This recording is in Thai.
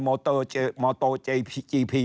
มอเตอร์เจรียมอะไรเนี่ย